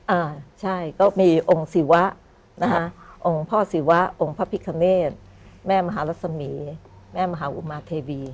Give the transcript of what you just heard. อ่าใช่ก็มีองค์ศิวะนะคะองค์พ่อศิวะองค์พระพิคเนธแม่มหารัศมีแม่มหาอุมาเทวี